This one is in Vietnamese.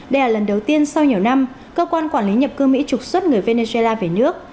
đây là lần đầu tiên sau nhiều năm cơ quan quản lý nhập cư mỹ trục xuất người venezuela về nước